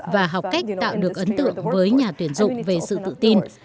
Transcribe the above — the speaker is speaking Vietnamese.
và học cách tạo được ấn tượng với nhà tuyển dụng về sự tự tin